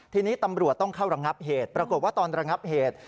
ทีนี้ตำรวจต้องเข้าระงับเหตุปรากฏว่าตอนระงับเหตุ